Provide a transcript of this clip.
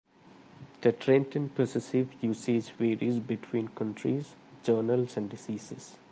The trend in possessive usage varies between countries, journals, and diseases.